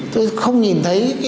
tôi không nhìn thấy